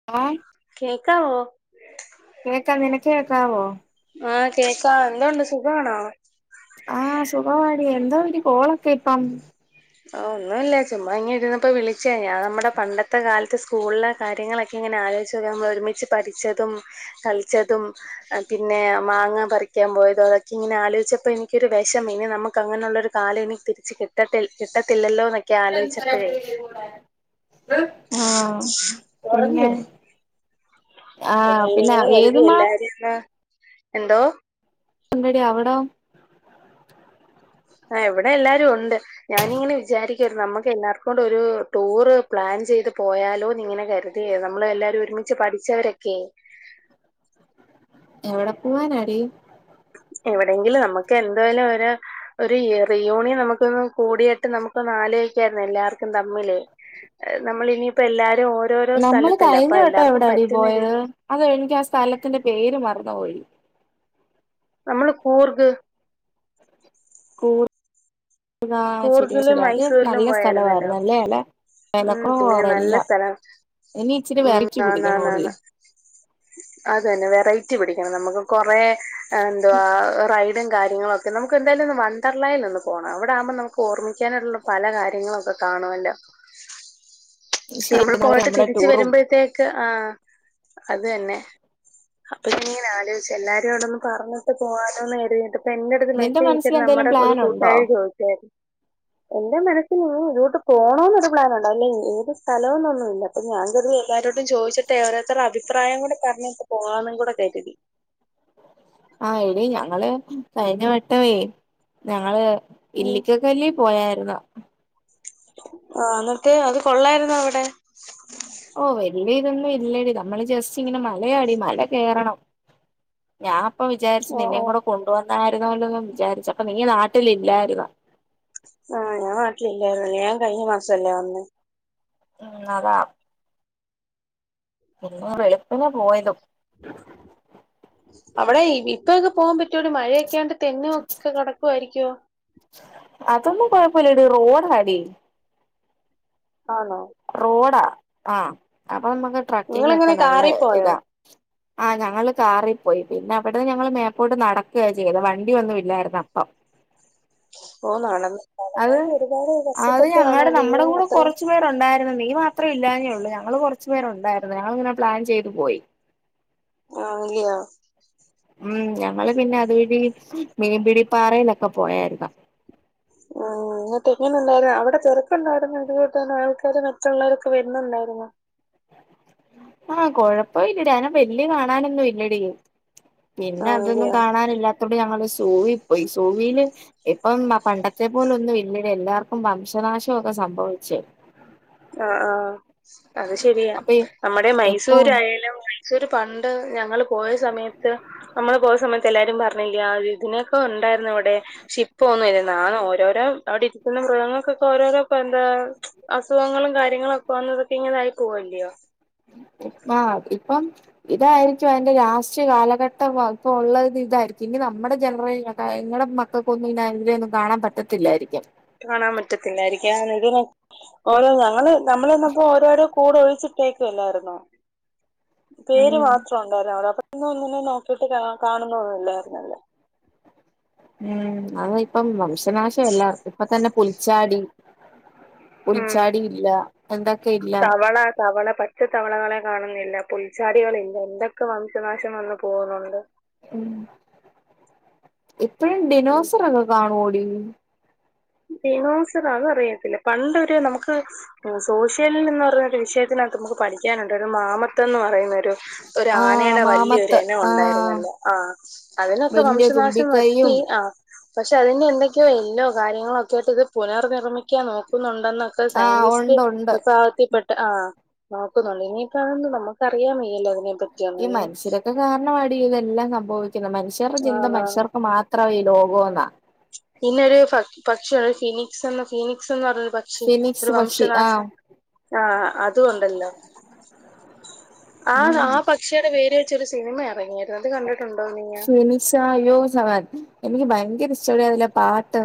[unintelligible] കേക്കാവോ? കേക്കാം നിനക്ക് കേക്കാവോ ആഹ് കേക്കാ എന്തണ്ട് സുഖമാണോ? ആഹ് സുഖവാരി എന്താ ഒരുര് കോളൊക്കെ ഇപ്പം? ഓ ഒന്നു ഇല്ല ചുമ്മാ ഇങ്ങ ഇരുന്നപ്പോ വിളിച്ച ഞാൻ നമ്മുടെ പണ്ടത്തെ കാലത്ത് ഇത്തെ സ്കൂളില കാര്യങ്ങളൊക്കെ ഇങ്ങനെ ആലോചിച്ച നമ്മൾ ഒരുമിച്ച് പഠിച്ചതും കളിച്ചതും പിന്നെ മാങ്ങ പറിക്കാൻ പോയതോ അതൊക്കെ ഇങ്ങനെ ആലോചിച്ചപ്പോ എനിക്കൊരു വിഷം ഇനി നമുക്ക് അങ്ങനെയുള്ളരു കാല എനിക്ക് തിരിച്ച് കിട്ട കിട്ടത്തില്ലോ ആഹ് ആഹ് പിന്നെ ഏതുമാ ആഹ് എന്തോ? ഉണ്ടടി അവിടോ? ആഹ് എവിടെ എല്ലാരും ഉണ്ട്. ഞാനിങ്ങനെ വിചാരിക്കരുത് നമുക്ക് എല്ലാവർക്കും കൊണ്ടും ഒരു ടൂറ് പ്ലാൻ ചെയ്ത് പോയാലോന്ന് ഇങ്ങനെ കരു അതെ നമ്മള് എല്ലാരും ഒരുമിച്ച് പഠിച്ചവരൊക്കെ എവിടെ പോവാനാടി? എവിടെയങ്കിലും നമുക്ക് എന്തായാലും ഒരു ഒരു റീയൂണിയൻ നമുക്കൊന്ന് കൂടിയിട്ട് നമുക്കൊന്ന് ആലോചിക്കായിരുന്നു എല്ലാർക്കും തമ്മില് നമ്മള ഇനിയിപ്പോ എല്ലാരും ഓരോരോ നമ്മള് സ്ഥലത്തല്ല കഴിഞ്ഞ അപ്പൊ വട്ടം എല്ലാർക്കും എവിടാടി പറ്റുന്ന പോയത് രീതി അത് എനിക്ക് ആഹ് സ്ഥലത്തിന്റെ പേര് മറന്ന പോയ്‌ നമ്മള് കൂർഗ്- കൂറ് കൂര്ഗിലും അത് മൈസൂരിലും നല്ല പോയായിരുന്നല്ലോ? സ്ഥലവായിരുന്നു അല്ലേ അല്ലെ ഉം പിന്നെ നല്ല വെലക്കുറവോടെല്ലാം സ്ഥലം ഇനി ഇച്ചിരി ഉം വെറൈറ്റി ആണ് പിടിക്കണോടി ആണ് അത തന്നെ വെറൈറ്റി പിടിക്കണം നമുക്ക് കൊറെ എന്തുവാ റൈഡും കാര്യങ്ങളും ഒക്കെ നമുക്ക് എന്തായാലും ഒ വഡർലായിൽ ഒന്ന് പോണം അവിടെ ആവുമ്പോ ഓർമ്മിക്കാനായിട്ടുള്ള പല കാര്യങ്ങളുംക്കെ കാണുമല്ലോ? ശരി നമ്മൾ നാളെ പോയിട്ട് നമ്മുടെ തിരിച്ച് ടൂറും വരുമ്പോഴത്തേക്ക് ആഹ് അത് തന്നെ അപ്പൊ ഇനീന ആലോചിച്ചു എല്ലാരും അവിട ഒന്ന് പറഞ്ഞട്ട് പോാനോന്ന് കരുതീട്ട്- അപ്പ എന്റെറടുത്ത് നിന്റെ മനസ്സിൽ മെസ്സേജ്ച്ചട്ട് എന്തേലും നമ്മുടെ ഒരു പ്ലാൻ ഉണ്ടോ കൂട്ടുകാരീ ചോദിച്ചു. എന്റെ മനസ്സിൽ ഇതോട്ട് പോണന്നു പ്ലാൻ ഉണ്ടാവ അല്ലേ ഏത് സ്ഥലമന്നൊന്നും ഇല്ല അപ്പ ഞാൻ കരുത് എാവരോട്ടും ചോദിച്ചിട്ട് ഓരരു അഭിപ്രായം കൂടെ പറഞ്ഞിട്ട് പോകാനും കൂടെ കരുതി- ആഹ് എടിേ ഞങ്ങള് കഴിഞ്ഞ വട്ടവേ ഞങ്ങള് ഉം ഇല്ലിക്കക്കല്ലി പോയായിരുന്നു. ആഹ് എന്നിട്ട് അത് കൊള്ളായിുന്നോ അവിടെ? ഓ വലിയ ഇതൊന്നും ഇല്ലടി നമ്മള് ജസ്റ്റ് ഇങ്ങനെ മലയാടി മല കയറണം. ഞാൻപ്പ വിചാരിച്ചു ഓ ഓ നിന്നയും കൂടെ കൊണ്ടുവന്നായിരുന്നല്ലോന്ന് വിചാരിച്ചു അപ്പൊ നീ നാട്ടിലില്ലായിരുന്ന്. ആഹ് ഞാൻ വാട്ടിലില്ലല്ലായിരോല്ലേ ഞാൻ കഴിഞ്ഞ മാസല്ലേ വന്ന് ഉം അതാ പിന്നെ വെളുപ്പിനെ പോയതും. അവിടെ ഇപ്പൊക്കെ പോകാൻ പറ്റൂല മഴയൊക്കെയാണ്ട് തെന്നി ഒക്കെ കടക്കുവായിരിക്കുവോ? അതൊന്നും കുഴപ്പമില്ലടി റോഡ ആടി- ആന്നോ റോഡാ ആഹ് അപ്പൊ നമുക്ക് ട്രക്കിങ് നിങ്ങളെങ്ങനെ ഒക്കെ നല്ല കാറി പോയോ? ഇതാ ആ ഞങ്ങള്ൾ കാറിൽ പോയി പിന്നെ അവിടുന്ന് ഞങ്ങള് മേപ്പോട്ട് നടക്കുക ചെയ്ത വണ്ടി ഒന്നും ഇല്ലായിരുന്നു അപ്പം ഓ നടന്ന അത് നടായത് ഒരുപാട് കപ്പെട്ട ആണോല്ലെ ഈ അത്രയും ഉണ്ടായിരരുന്നു നീ മാത്രേ ഇല്ലാന്നേ ഉള്ളൂ ഞങ്ങള്ൾ കുറു പേരു ഉണ്ടായിരുന്നു ഞങ്ങിങ്ങനെ പ്ലാൻ് ചെയ്തു പോയി ആ ഇല്ലോ ഉം ഞങ്ങള് പിന്നെ അതുവഴി മീൻ പിടിപ്പാറയിലൊക്കെ പോയായിരുന്നു ന്നിട്ടെ എങ്ങനിണ്ടാരുന് അവിടെ ചെറുക്കൻ ഉണ്ടായിരുന്നങ്കിൽ തന്നെ ആൾക്കാര് മറ്റുള്ളവരൊക്കെ വരുന്നുണ്ടായിരുന്ന് ആ കൊഴപ്പയില്ലടി അയ്നെ വല്ല്യ കാണാനൊന്നു ഇല്ലടീ പിന്നെ അതൊന്നും ആണല്ലിയോ കാണാനില്ലാത് തൊട് ഞങ്ങള് സൂവീപ്പോയി സൂവീല് ഇപ്പം പണ്ടത്തേ പോല ഒന്നും ഇല്ലടി എല്ലാർക്കും വംശനാശൊക്കെ സംഭവിച്ച് ആഹ് ആഹ് അയ് ശരിയാ അപ്പൊ നമ്മുടെ ഇപ്പൊ മൈസൂരായാലും സൂര് പണ്ട് ഞങ്ങള് പോയ സമയത്ത് നമ്മള് പോയ സമയത്ത് എല്ലാരും പറഞ്ഞില്ലീ ആ ഒര് നൊക്കെ ഉണ്ടായിരുന്നു അവിടെ ശ്ശെ ഇപ്പോ ഒന്നൂലേ നാണ് ഓരോരോ അവിടിരിക്കുന്ന മൃഗങ്ങൾക്കൊക്കെ ഓരോരോ ഇപ്പെന്താ അസുഖങ്ങളും കാര്യങ്ങളൊക്കെ വന്ന് ഇങ്ങനായി പോവല്ലിയോ ഇപ്പാ ഇപ്പം ഇതാരിക്കും അതിന്റെ യാസ്റ്റ് കാലഘട്ടം ഇപ്പം ഉള്ളതിതായിരിക്കും ഇനി നമ്മുടെ ജനറേ അതായത് മക്ക ക്കെഒന്നും ഇതിലൊന്നും കാണാൻ പറ്റത്തില്ലായിരിക്കാം കാണാൻ പറ്റത്തില്ലായിരിക്കാൻ ആണെന്തിനാ ഓരോ തവണ നമ്മളെന്നപ്പോ ഓരോരോ കൂടെ ഒഴിച്ചിട്ടേക്കുവല്ലാരുന്നോ പേര് മാത്രം ഉണ്ടായിരുന്ന് അവിടെ അപ്പന്നിങ്ങള്ന്നില്ലല്ലോ തുട്ട് കാണുന്നോ നില്ലായിരുന്നല്ലേ ഉം അങ്ങ് ഇപ്പം വംശനാശമെല്ലാർക്ക് ഇപ്പത്തന്നെ പുൽച്ചാടി ഉം പുൽച്ചാടിയില്ല ദന്തക്കെയ് തവള തവള പറ്റ് പച്ചത്തവളകളെ കാണുന്നില്ല പുൽച്ചാടി കളില്ല എന്തക്കെ വംശനാശം വന്ന് പോവുനുണ്ട് ഉം ഇപ്പഴും ദിനോസറൊക്കെ കാണുവോടീ ദിനോസറ് അതറിയത്തില്ല പണ്ടൊര് നമുക്ക് സോഷ്യലിൻ എന്ന് പറയുന്ന ഒരു വിഷയത്തിനാത്ത് നമുക്ക് പഠിക്കാനുണ്ട് ഒരു മാമത്ത് എന്ന്പറയുന്നൊരു ആഹ് ഒരാനേടെ വല്ല്യൊര് മാമത്ത് എനം ആഹ് ഒണ്ടായിരുന്നല്ലേ ആ അതിനൊക്കെ വല്യ വംശനാശം വറ്റി തുമ്പിക്കൈയും ആഹ് പക്ഷെ അതിന്നീ എന്തക്കെയോ ഇന്നോ കാര്യങ്ങളൊക്കെയായിട്ട് ഇത് പുനർ നിർമ്മിക്കാൻ നോക്കുന്നുണ്ടെന്ന് ഇപ്പ ആഹ് സൈന്റിസ്റ്റ് ഉണ്ട് ഉണ്ട് വിഭാക്കത്തിൽ പെട്ട് ആഹ് നോക്കുന്നുണ്ട് ഇനിയിപ്പം അതൊണ്ട് നമുക്ക് അറിയാൻ വയ്യല്ലോ ഇതിനെ പറ്റി ഇ മന്ഷ്യരൊക്കെ കാരണമാടീ ഇതെല്ലാം സംഭവിക്കുന്ന മനുഷ്യറെചിന്ത ആ മനുഷ്യർക്ക് മാത് ത്രവേ ലോകോനാ പിന്നര് ഫ പക്ഷി ഉള്ള ഫിനിക്സ്എന്ന ഫിനിക്സ് എന്ന് പറഞ്ഞൊര് പക് ക്ഷി ഒര് ഫിനിക്സ് പക്ഷി വംശനാശ ആഹ് ആഹ് അതും ഉണ്ടല്ലോ ആഹ് ആ പക് ക്ഷെടെ പേര് വെച്ചൊരു സിനിമ ഇറങ്ങിയിരുന്ന് അത് കണ്ടിട്ടുണ്ടോ നീയാ ചാ അയ്യോ സെവൻ എനിക്ക് ഭയങ്കരം ഇഷ്ട്ടല്ലായിരുന്നില്ലേ ആ പാട്ട്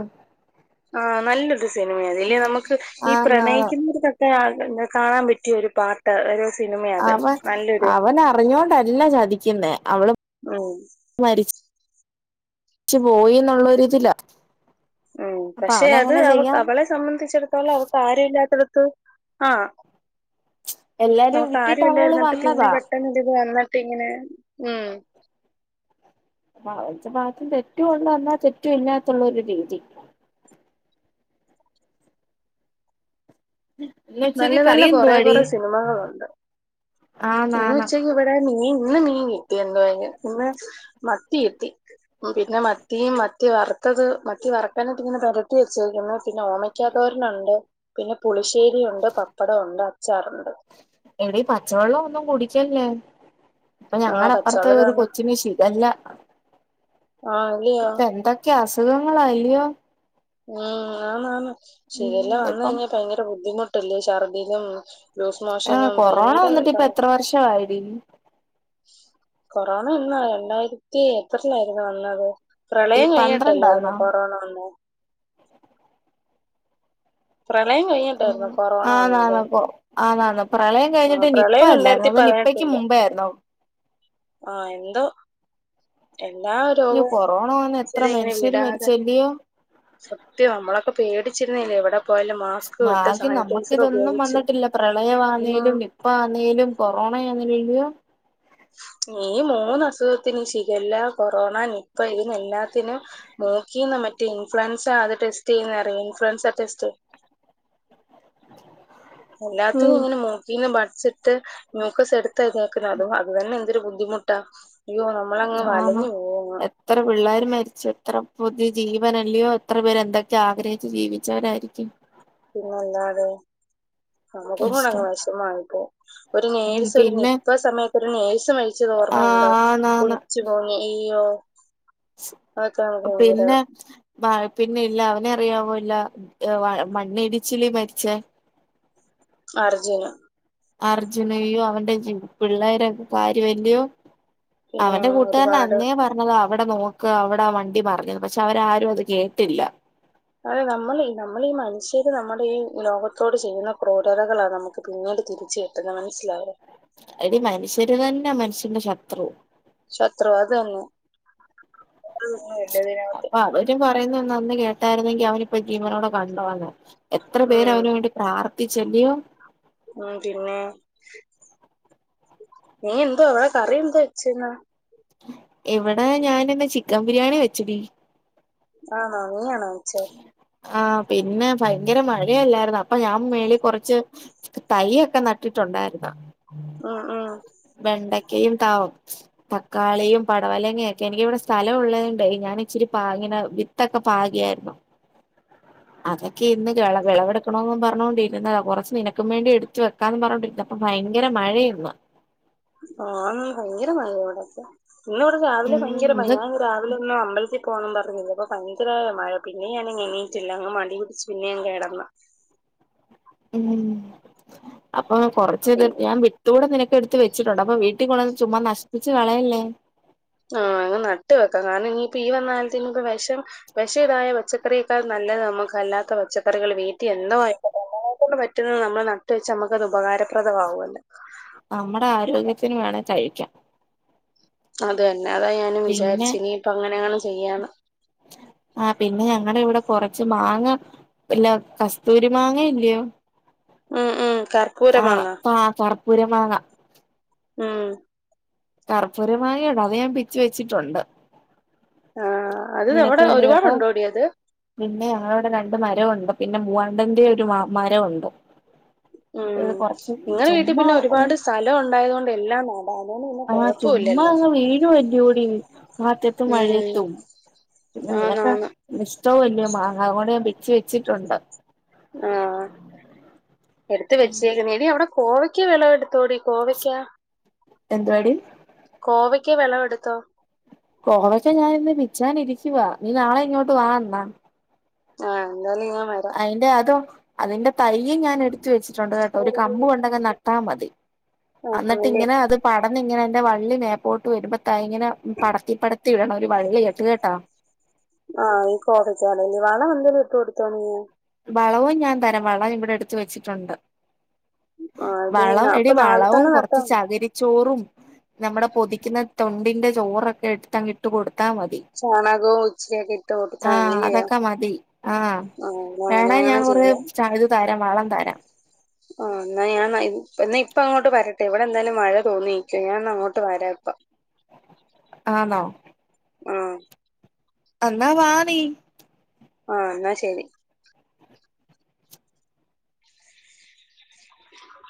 ആ നല്ലൊരു സിനിമയതില്ലെ നമുക്ക് ഈ ആഹ് നാളെ പ്രണയിക്കുന്നതക്ക് [unintelligible] കാണാൻ പറ്റിയ ഒരു പാട്ട് ട്ട് ഒര് സിനിമയാ അത് നല്ലൊരു അവൻ അവനറിഞ്ഞോണ്ടല്ല ചതിക്കുന്നേ അവള് ആഹ് മരിച് ച്ച്പോയി എന്നുള്ളൊരിതിലാ ഉം അപ്പൊ പക്ഷെ അത് അവനങ്ങനെ അവ ചെയ്യാം അവളെ സംബന്ധിച്ചിടത്തോളം അവക്ക് ആരൂല്ലാത്തടുത്ത്‌ ആഹ് എല്ലാരും നോക്കാൻ വിട്ടിട്ട് ആരും അവള് ഇല്ലായിരുന്നിട്ട് പിന്നെ വന്നതാ പെട്ടെന്ന് ഇതില് വന്നിട്ട് ഇങ്ങനെ ഉം ഭാ വെച്ച വാക്ക് തെറ്റൂഒണ്ട് എന്നാ തെറ്റു ഇല്ലാത്തൊള്ളൊരു രീതി ഈഹ് നല്ല നല്ല കൊറെ കൊറെ സിനിമകളൊണ്ട് ആന്നാന്ന് ഇന്നുച്ചക് വിടെ മീ ഇന്ന് മീൻ കിട്ടിയെന്തായാലും ഇന്ന് മത്തി കിട്ടി. മ് പിന്നെ മത്തീയും മത്തി വറ്ത്തത് മത്തിവറക്കാനായിട്ട് ഇങ്ങനെ പെരട്ടി വെച്ചേക്ക്ന്ന് പിന്നെ ഓമെൻ ക്യാതോരനൊണ്ട് പിന്നെ പുളിശ്ശേരി ഒണ്ട്, പപ്പടംഒണ്ട്, അച്ചാറൊണ്ട്. എടീ പച്ച വെളോന്നും കുടിക്കല്ലേ. ഇപ്പൊ ആ ഞങ്ങടെ അപ്പർത്ത് പച്ചവള ഒരു തന്നെ കൊച്ചിന് ഷിഗല്ല ആ ഇല്ലയോ ഇപന്ത ക്കെ അസുഖങ്ങളാല്യോ? ഉം ആന്ന് ആന്ന് ഉം ശിഖല്ല വന്ന് ഇപ്പം കയ്ഞ്ഞാ ഭയങ്കര ബുദ്ധിമുട്ടല്ലേ ഛർദ്ദിലും ആ കൊറോണ വന്നിട്ട് ഇപ്പ എത്ര വർഷം ആയെടീ? കൊറോണ എന്നാ രണ്ടായിരത്തി എത്രയിലായിരുന്നു വന്നത്. ഈ പ്രളയം കഴിഞ്ഞിട്ടല്ലായിരുന്നോ പന്ത്രണ്ടാന്നോ കൊറോണ വന്നെ? പ്രളയം കഴിഞ്ഞിട്ടായിരുന്നു കൊറോണ വന്നത് ആന്നാളെ പോവും ആ ന്നാളെ പ്രളയം ആഹ് കഴിഞ്ഞിട്ട് നിപ്പ പ്രളയം രണ്ടായിരത്തി അല്ലായിരുന്നോ അതോ നിപ്പ ക്ക് പതിനെട്ടില് മുബെആയിരുന്നോ ആഹ് എന്തോ എല്ലാ അയ്യോ രോഗവും കൊറോണ വന്ന് എത്ര ശരി ഇങ്ങനെ മനുഷ്യര് വിടാതെ മരിച്ചല്ലയോ സത്യം നമ്മളൊക്കെ പേടിച്ചിരുന്നല്ലേ എവിടെ പോയാലും. മാസ്ക് ഇട്ട് ഭാഗ്യം നമ്മക്ക് സാനിറ്റൈസർ ഇതൊന്നും ഉപയോഗിച്ച് വന്നിട്ടില്ല ഉം പ്രളയാവാന്നേലും നിപ്പ ആന്നേലും കൊറോണ ആന്നേലും. ഈ മൂന്ന് അസുഖത്തിന് ശിഖല്ല, കൊറോണ, നിപ്പ, ഇതിനെ ല്ലാത്തിനും മൂക്കീന്ന് മറ്റേ ഇൻഫ്ലുൻസ അത് ടെസ്റ്റ് ചെയ്യുന്നറിയ ഇൻഫ്ലുവൻസ ടെസ്റ്റ്. എല്ലാത്തിനും ഉം ഇങ്ങനെ മൂ ക്കീന്ന് പട്സ്ണ്ട് [unintelligible] ആക്കുന്ന അതും അത് തന്നെ എന്തൊരു ബുദ്ധിമുട്ടാ അയ്യോ നമ്മളങ്ങ് ആന്ന് വലഞ്ഞ് പോകും എത്ര പിള്ളേര് മര്ച്ചു എത്ര പുതു ജീവനല്ലയോ എത്ര പേര് എന്തൊക്കെ ആഗ്രഹിച്ച് ജീവിച്ചവരായിരിക്കും. പിന്നെല്ലാതെ നമുക്ക് [unintelligible] കഷ്ടം വെഷമായി പോവും. ഒരു ഉം നേഴ്സ് ഒരു പിന്നെ നിപ്പ സമയത്ത് ഒരു നേഴ്സ് മരിച്ചത് ഓർമ്മയുണ്ടോ? ആഹ് ആന്നാന്ന് [unintelligible] ഏ അയ്യോ. അതൊക്കെ നമുക്ക് ഭയങ്കര പിന്നെ? വ പിന്നെ ഇല്ല അവനെ അറിയാവോ ല്ല വ മണ്ണിടിച്ചില്ലിൽ മരിച്ചേ അർജുന. അർജുനയോ അവന്റെ ജിം പിള്ളേരൊക്കെ കാര്യവല്യോ. പിന്നെ അവന്റെ കൂട്ടാരൻ ഒരുപാട് അന്നേ പറഞ്ഞ താ അവിടെ നോക്ക് അവിടെ ആ വണ്ടി മർഞ്ഞെ. പക്ഷെ അവരാരും അത് കേട്ടില്ല. അതെ നമ്മള് നമ്മള് ഈ മനുഷ്യര് നമ്മുടെ ഈ ലോകത്തോട് ചെയ്യുന്ന ക്രൂരതകളാ നമക്ക് പിന്നീട് തിരിച്ച് വര്ന്നെ അതെന്നെ മൻസ്സിലായോ. എടി മനുഷ്യര് തന്നാ മനുഷ്യന്റെ ശത്രു. ശത്രുവാ അതന്നെ വേറെ ഒന്നുമില്ല ഇതിനകത്ത്. ഈ പറയുന്ന അന്ന് കേട്ടായിരുന്നെങ്കി അവനിപ്പ ജീവനോടെ കണ്ടേന്നെ എത്ര പേര് ഉം അവന് വേണ്ടി പ്രാർത്ഥിച്ചല്ല്യോ. മ് പിന്നെ നീ എന്തോവാ കറി എന്തോ വെച്ചന്നാ? ഇവടെ ഞാനിന്ന് ചിക്കൻ ബിരിയാണി വെച്ചടി. ആഹാ നീയാണോ വെച്ചെ? ആ പിന്നെ ഭയങ്കര മഴയല്ലായിര്ന്നോ അപ്പൊ ഞാൻ മേളിൽ കൊർച്ച് തയ്യൊക്കെ നട്ടിട്ടുണ്ടായിരുന്നു. മ് മ് വെണ്ടക്കയും ത തക്കാളിയും പടവലങ്ങൊക്കെ എനിക്കിവിടെ സ്ഥലം ഉള്ളോണ്ടെ ഞാൻ ഇച്ചിരി പാകിന വി വിത്തൊക്കെ പാകിയായിരുന്നു. അതൊക്കെ ഇന്ന് വിളവ് വിളവെടുക്കണോന്ന് പറഞ്ഞോണ്ടിരുന്നതാ കുറച്ച് നിനക്കും വേണ്ടി എട്ത്ത് വെ വെക്കാമെന്ന് പറഞ്ഞോണ്ടിരിക്ക അപോ ഭയങ്കര മഴെന്ന്. ആഹ് ഭയങ്കര മഴ ഇവിടൊക്കെ ഇന്ന് ഇവിടെ രാവിലെ ഉം ഭയങ്കര ഇത് മഴയാ ഞാൻ രാവിലെ ഒന്ന് അമ്പലത്തി പോകണം പറഞ്ഞിരിന്നപ്പ ഭയങ്കര മഴ പിന്നെ ഞാൻ എണീട്ടില്ല അങ്ങ് മടി പിടിച്ച് പിന്നെ ഞാൻ കിടന്നു. ഉം അപ്പൊ കൊറച്ച് ഇത് ഞാൻ വി ത്ത് കൂടെ നിനക്ക് എടുത്തു വച്ചിട്ടുണ്ട് അപ്പ വീട്ടിൽ കൊണ്ടുവന്ന് ചുമ്മാ നശപ്പിച്ച് കളയല്ലേ. ആഹ് അങ്ങ് നട്ട് വെക്കാം കാരണം ഇനിയിപ്പോ ഈ വന്ന കാലത്ത് ഇനിപ്പോ വിഷം വിഷം ഇതായ പച്ച പച്ചക്കറിയേക്കാൾ നല്ലത് നമുക്ക് അല്ലാത്ത പച്ചക്കറികൾ വീട്ടി എന്തോമായികോട്ടെ. നന്മളെ പറ്റുന്നത് നമ്മള് നട്ട് വെച്ച് നമ്മുക്ക് അത് ഉപകാരപ്രദമാവു അല്ലേ. നമ്മടെ ആരോഗ്യത്തിന് വേണേ കഴിക്കാം. അത് തന്നെ അതാ ഞാനും പിന്നെ വിചാരിച്ചെ ഇനി ഇപ്പ അങ്ങനെയെങ്ങാനും ചെയ്യാന്ന്. ആഹ് പിന്നെ ഞങ്ങടിവിടെ കുറച്ച് മാങ്ങ പിന്നെ കസ്തൂരി മാങ്ങ ഇല്ലയോ ഉം ഉം കർപ്പൂര ആഹ് മാങ്ങ ആഹ് കർപ്പൂരമാങ്ങ. ഉം കർപ്പൂരമാങ്ങയാണോ അത് ഞാൻ പിച്ച് വെച്ചിട്ടൊണ്ട്. ആഹ് അത് അവിടെ വേണ്ടി കേട്ടോ ഒരുപാടുണ്ടോടി അത്? പിന്നെ ഞങ്ങളവിടെ രണ്ട് മരമവൊണ്ട്‌ പിന്നെ മൂവാണ്ടന്റേം ഒരു മരഒണ്ട്. ഉം ഇങ്ങളെ വീട്ടി ചുമ്മാ പിന്നെ ഒരുപാട് സ്ഥലം ഒണ്ടായത് കൊണ്ട് എല്ലാം നടാം അതുകൊണ്ട് പിന്നെ ആ കൊഴപ് ചുമ്മാ അങ്ങ് വീഴുവല്ല്യോടീ കാറ്റത്തും ഉം മഴയത്തും. പിന്നെ നിനക്ക് ആന്നാന്ന് ഇഷ്ടോവല്ല്യോ മാങ്ങാ അത് കൊണ്ട് ഞാൻ പിച്ചി വെച്ചിട്ടൊണ്ട്. ആഹ് എടുത്ത വെച്ചേക്കണേ എടീ അവിടെ കോവയ്ക്ക വിളവെടുത്തോടീ. കോവയ്ക്കാ? എന്ത്വാടി? കോവയ്ക്ക വെളവെടുത്തോ? കോവക്ക ഞാനിന്ന് പിച്ചാനിരിക്കുവാ, നീ നാളെ ഇങ്ങോട്ട് വാ അന്നാ. ആഹ് എന്തായാലും ഞാൻ വരാ. ന്റെ അതോ അതിന്റെ തയ്യും ഞാനെടുത്ത് വെച്ചിട്ടൊണ്ട് കേട്ടോ ഒരു കമ്പ് കൊണ്ടങ്ങു നട്ടാ മതി. അന്നിട്ടിങ്ങനെ അത് പടന്നിങ്ങനെ അയിന്റെ വള്ളി മേപ്പോട്ട് വരുമ്പോ ദാ ഇങ്ങനെ പടത്തി പടത്തി ഇടണം ഒരു വള്ളി കെട്ടി കേട്ടോ. ആഹ് അത് കോവയ്ക്കാടല്ലേ വളം എന്തെലും ഇട്ട് കൊടുത്തോ നീയ്? വളവും ഞാൻ തരാം വളം ഇവിടെ എടുത്ത് വെച്ചിട്ടൊണ്ട് ആഹ് ഇത് വളം ന- എടി അപ്പൊ നാളെ വളവും തന്നെ നട്ടാ കുറച്ച് മതി ചകിരിച്ചോറും നമ്മടെ പൊതിക്കുന്ന തൊണ്ടിന്റെ ചോറൊക്കെ എടുത്തങ്ങിട്ട് കൊടുത്താ മതി. ചാണകവും ഉച്ചയൊക്കെ ഇട്ട് കൊടുത്ത മതി ആഹ് ഇല്ലയോ ആഹ് എന്നാ അങ്ങനെ വേണെ ഞാൻ അങ്ങനെ കുറേ ചെയ്യാം ഇത് തരാം, വളം തരാം. ആഹ് എന്നാ ഞാനാ അഹ് എന്നാ ഇപ്പങ്ങോട്ട് വരട്ടെ ഇവിടെ എന്തായാലും മഴ തോന്നുനിക്കാ ഞാന്നാ അങ്ങോട്ട് വരാം ഇപ്പ. [inaudible] ആഹ് വ ആഹ് അന്നാ വാ നീ. ആഹ് എന്നാ ശരി. [inaudible]